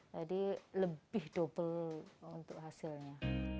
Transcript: jadi lebih double untuk hasilnya